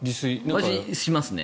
しますね。